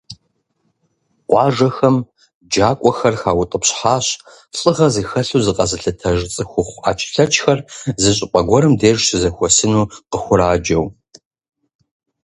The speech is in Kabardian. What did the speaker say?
Къуажэхэм джакӀуэхэр хаутӀыпщхьащ, лӀыгъэ зыхэлъу зыкъэзылъытэж цӀыхухъу Ӏэчлъэчхэр зы щӀыпӀэ гуэрым деж щызэхуэсыну къыхураджэу.